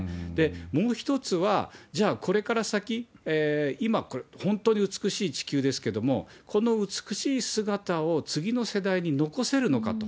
もう一つは、じゃあ、これから先、今、本当に美しい地球ですけれども、この美しい姿を次の世代に残せるのかと。